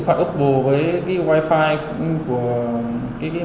phối hợp người bien tinh bất ngờ ký địa